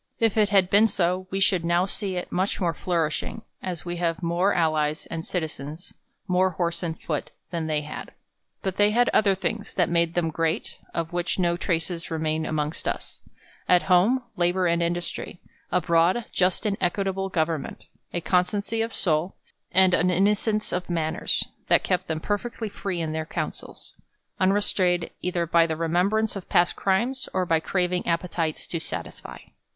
If it had been so, we should now see it much more flourishing, as we have more al lies and citizens, more horse and foot, than they had. But they had other things, that made them great, of which no traces remain amongst us : at home, labor and industry ; abroad, just and equitable government ; a constancy of soul, and an innocence of manners, that kept them perfectly free in their councils ; unre strained either by tke remembrance of past crimes, or by craving appetites to satisfy.